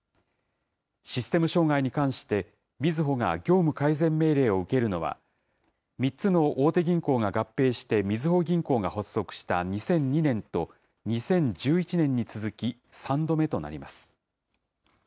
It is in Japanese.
システム障害に関して、みずほが業務改善命令を受けるのは、３つの大手銀行が合併してみずほ銀行が発足した２００２年と２０１１年に続き３度目となります。